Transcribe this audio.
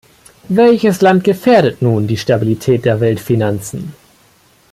Welches Land gefährdet nun die Stabilität der Weltfinanzen?